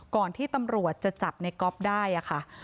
ก่อนที่ตำรวจจะจับในก๊อฟได้ค่ะ